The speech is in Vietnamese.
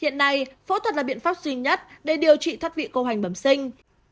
hiện nay phẫu thuật là biện pháp duy nhất để điều trị thoát vị cơ hoành bẩm sinh